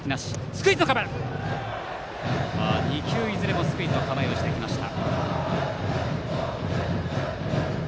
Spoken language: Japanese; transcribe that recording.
２球いずれもスクイズの構えをしてきました。